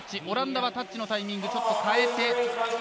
オランダはタッチのタイミングを変えて。